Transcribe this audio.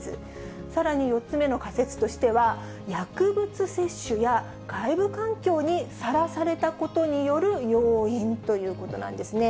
さらに４つ目の仮説としては、薬物接種や外部環境にさらされたことによる要因ということなんですね。